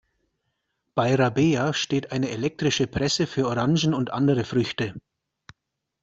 Bei Rabea steht eine elektrische Presse für Orangen und andere Früchte.